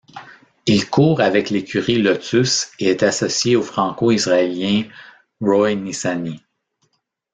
Il court avec l'écurie Lotus et est associé au franco-israélien Roy Nissany.